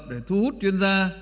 để thu hút chuyên gia